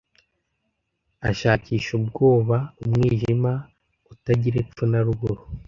ashakisha ubwoba umwijima utagira epfo na ruguru